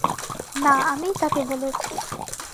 না, আমিই তাকে বলেছি।